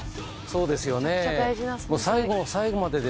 そうですよね。